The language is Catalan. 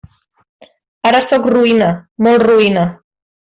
Ara sóc roïna, molt roïna.